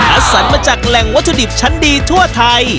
สรรมาจากแหล่งวัตถุดิบชั้นดีทั่วไทย